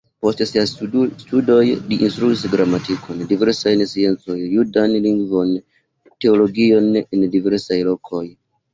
Post siaj studoj li instruis gramatikon, diversajn sciencojn, judan lingvon, teologion en diversaj lokoj.